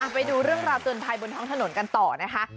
ไปดูเรื่องราวเตือนภัยบนท้องถนนกันต่อนะคะ